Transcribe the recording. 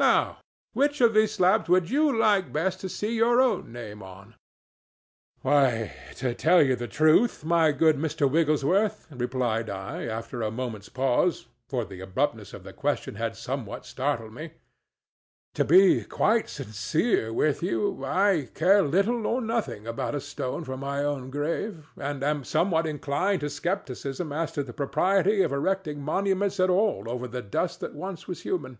Now, which of these slabs would you like best to see your own name upon?" "Why, to tell you the truth, my good Mr. Wigglesworth," replied I, after a moment's pause, for the abruptness of the question had somewhat startled me—"to be quite sincere with you, I care little or nothing about a stone for my own grave, and am somewhat inclined to scepticism as to the propriety of erecting monuments at all over the dust that once was human.